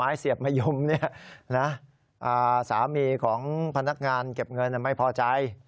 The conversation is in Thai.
เสียบมะยมสามีของพนักงานเก็บเงินไม่พอใจ